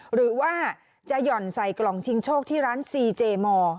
หรือว่าจะหย่อนใส่กล่องชิงโชคที่ร้านซีเจมอร์